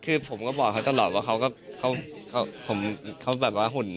คือผมก็บอกเขาตลอดว่าเขาก็แบบว่าหุ่น